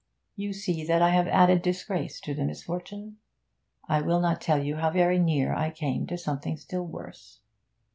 You see that I have added disgrace to misfortune. I will not tell you how very near I came to something still worse.